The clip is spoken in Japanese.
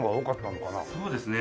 そうですね。